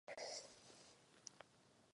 A teď dáme kolem ručnik.